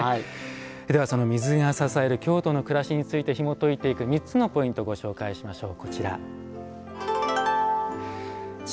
では、その水が支える京都の暮らしについて３つのポイントをご紹介しましょう。